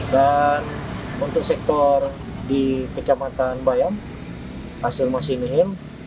dan untuk sektor di kecamatan bayam hasil masih nihil